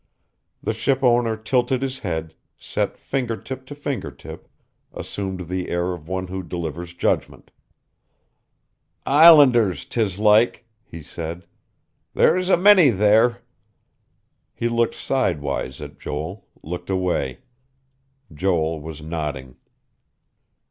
The ship owner tilted his head, set finger tip to finger tip, assumed the air of one who delivers judgment. "Islanders, 'tis like," he said. "There's a many there." He looked sidewise at Joel, looked away. Joel was nodding.